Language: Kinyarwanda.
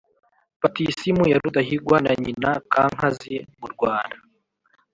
batisimu ya rudahigwa na nyina kankazi murwanda